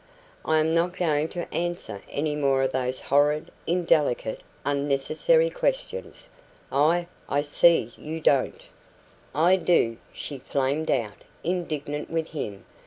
"I am not going to answer any more of those horrid, indelicate, unnecessary questions." "Ah, I see you don't." "I DO," she flamed out, indignant with him.